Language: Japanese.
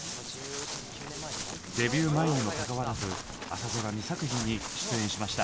デビュー前にもかかわらず朝ドラ２作品に出演しました。